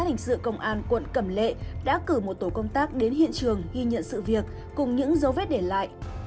hình sự công an quận cẩm lệ đã cử một tổ công tác đến hiện trường ghi nhận sự việc cùng những dấu vết để lại